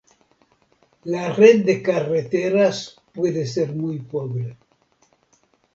La red de carreteras puede ser muy pobre.